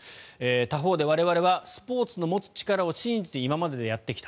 他方で我々はスポーツの持つ力を信じて今までやってきた。